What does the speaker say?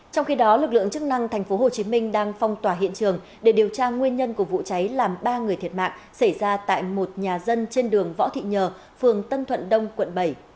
trong khi đó lực lượng chức năng tp hcm đang phong tỏa hiện trường để điều tra nguyên nhân của vụ cháy làm ba người thiệt mạng xảy ra tại một nhà dân trên đường võ thị nhờ phường tân thuận đông quận bảy